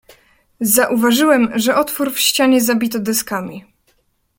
"Zauważyłem, że otwór w ścianie zabito deskami."